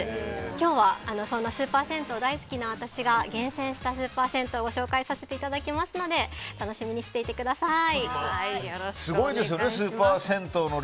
今日はそんなスーパー銭湯大好きな私が厳選したスーパー銭湯を紹介させていただきますので楽しみにしていてください。